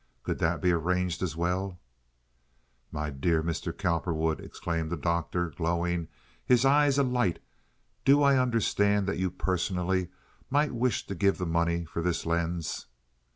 Could that be arranged as well?" "My dear Mr. Cowperwood," exclaimed the doctor, glowing, his eyes alight, "do I understand that you personally might wish to give the money for this lens?"